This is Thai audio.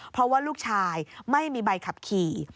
เพราะว่าลูกชายไม่มีใบขับขี่